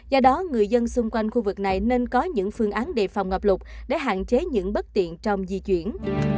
do đó người dân xung quanh khu vực này nên có những phương án đề phòng ngập lụt để hạn chế những bất tiện trong di chuyển